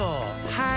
はい！